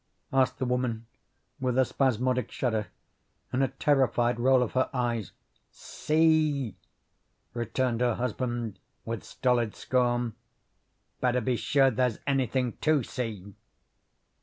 asked the woman with a spasmodic shudder and a terrified roll of her eyes. "See!" returned her husband with stolid scorn. "Better be sure there's anything to see."